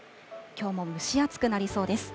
きょうも蒸し暑くなりそうです。